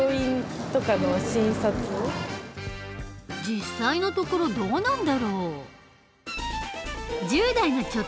実際のところどうなんだろう？